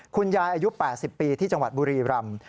อายุ๘๐ปีที่จังหวัดบุรีรำ